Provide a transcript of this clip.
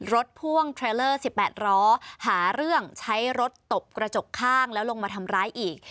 พ่วงเทรลเลอร์๑๘ล้อหาเรื่องใช้รถตบกระจกข้างแล้วลงมาทำร้ายอีก